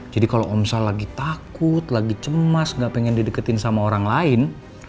jadi kalau om sal lagi takut lagi cemas gak pengen dideketin sama orang lain